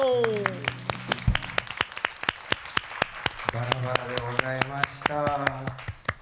「ばらばら」でございました。